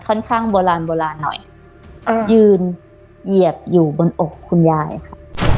ข้างโบราณโบราณหน่อยยืนเหยียบอยู่บนอกคุณยายค่ะ